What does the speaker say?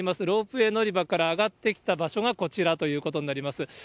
ロープウエー乗り場から上がってきた場所が、こちらということになります。